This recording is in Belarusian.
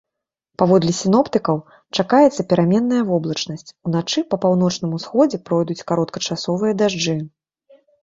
Паводле сіноптыкаў, чакаецца пераменная воблачнасць, уначы па паўночным усходзе пройдуць кароткачасовыя дажджы.